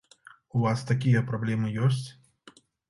У вас такія праблемы ёсць?